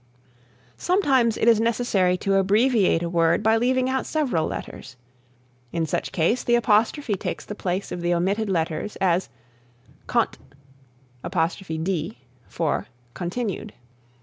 Sometimes it is necessary to abbreviate a word by leaving out several letters. In such case the apostrophe takes the place of the omitted letters as "cont'd for continued."